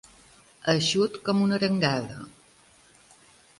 Eixut com una arengada.